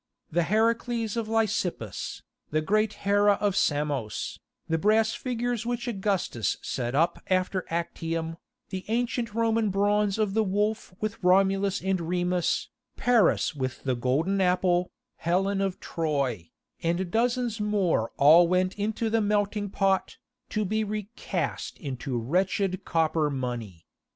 The Heracles of Lysippus, the great Hera of Samos, the brass figures which Augustus set up after Actium, the ancient Roman bronze of the Wolf with Romulus and Remus, Paris with the Golden Apple, Helen of Troy, and dozens more all went into the melting pot, to be recast into wretched copper money.